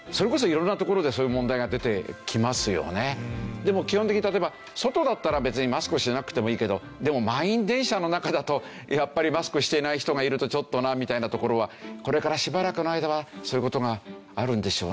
でも基本的に例えば外だったら別にマスクしなくてもいいけどでも満員電車の中だとやっぱりマスクしていない人がいるとちょっとなみたいなところはこれからしばらくの間はそういう事があるんでしょうね。